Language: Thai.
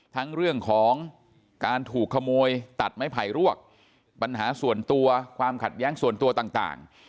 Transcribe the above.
ทั้งเรื่องของการถูกขโมยตัดไม้ไผ่รวกปัญหาส่วนตัวความขัดแย้งส่วนตัวต่าง